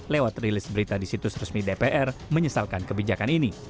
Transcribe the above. lewat rilis berita di situs resmi dpr menyesalkan kebijakan ini